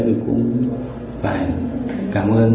với cũng phải cảm ơn